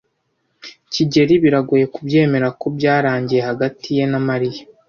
kigeli biragoye kubyemera ko byarangiye hagati ye na Mariya.